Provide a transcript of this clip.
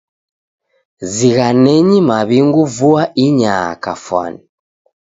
Zinghanenyi maw'ingu vua inyaa kafwani.